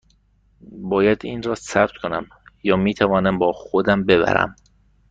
باید این را ثبت کنم یا می توانم با خودم ببرم؟